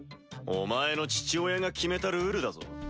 お前の父親が決めたルールだぞ。